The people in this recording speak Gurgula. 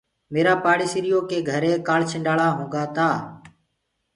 ميرآ پاڙيسريو ڪي گھري ڪآنڇنڊݪآ هوگوآ تآ۔